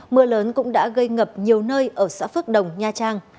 mưa lớn cũng đã gây ngập nhiều nơi ở xã phước đồng nha trang